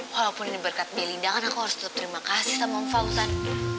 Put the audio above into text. walaupun ini berkat pilihan lindung aku harus tetap terima kasih samamu faujan